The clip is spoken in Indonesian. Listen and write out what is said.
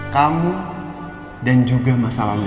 kamu dan juga masalahmu